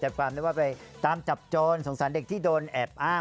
แต่ความได้ว่าไปตามจับโจรสงสารเด็กที่โดนแอบอ้าง